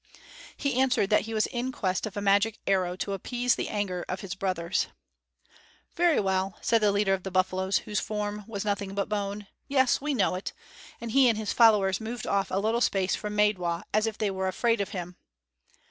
He answered that he was in quest of a magic arrow, to appease the anger of his brothers. "Very well," said the leader of the buffalos, whose form was nothing but bone. "Yes, we know it," and he and his followers moved off a little space from Maidwa, as if they were afraid of him.